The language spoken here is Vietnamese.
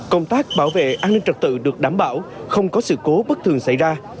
công tác bảo vệ an ninh trật tự được đảm bảo không có sự cố bất thường xảy ra